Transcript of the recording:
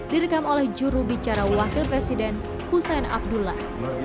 direkam oleh jurubicara wakil presiden hussein abdullah